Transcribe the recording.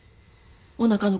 おなかの子は？